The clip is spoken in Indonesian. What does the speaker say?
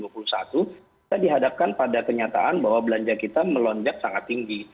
kita dihadapkan pada kenyataan bahwa belanja kita melonjak sangat tinggi